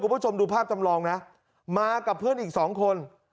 คุณผู้ชมดูภาพจำลองนะมากับเพื่อนอีกสองคน